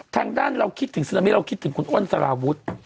ทางด้านเราคิดถึงซึนามิเราคิดถึงคุณอ้นสารวุฒิ